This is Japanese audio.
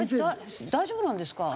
大丈夫なんですか？